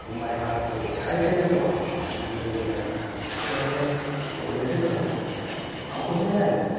ここがね折れてたら運べないもんね。